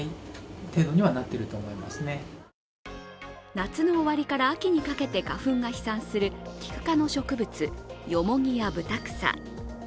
夏の終わりから秋にかけて花粉が飛散するキク科の植物、ヨモギやブタクサ。